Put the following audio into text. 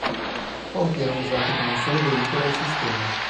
Pochi erano usati con un solo veicolo al sistema.